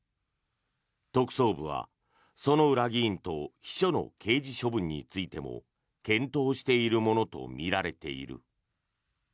特捜部は薗浦議員と秘書の刑事処分についても検討しているものとみられている。